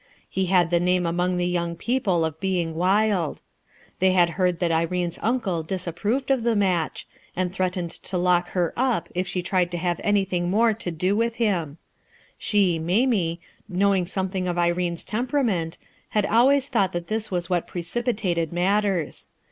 He had the name among the young people of being wild. They had heard that Irene's uncle disapproved of the match, and threatened to lock her up if she tried to have anything more to do with him She, Mamie, knowing something of Irene's temperament, had always thought that this was what precipi tated matters.